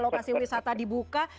lokasi wisata dibuka